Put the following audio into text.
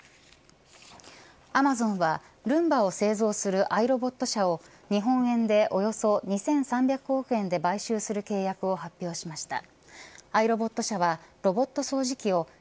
アマゾンは、ルンバを製造するアイロボット社を日本円でおよそ２３００億円で買収する契約を発表しました。